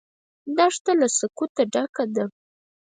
دښته له سکوته ډکه ده.